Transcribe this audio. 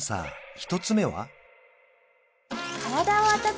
１つ目は？